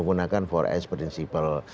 sebelumnya tidak dilakukan secara empat s principle